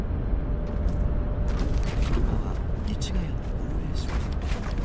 車は市ヶ谷の防衛省へ。